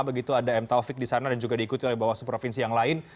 begitu ada m taufik di sana dan juga diikuti oleh bawaslu provinsi yang lain